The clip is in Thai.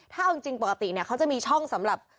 ถ้าเอาจริงปกติเนี่ยเขาจะมีช่องสำหรับ